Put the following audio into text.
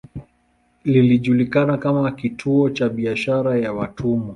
Ilijulikana kama kituo cha biashara ya watumwa.